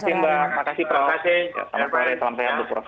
terima kasih mbak terima kasih prof